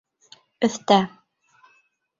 Өҫтә.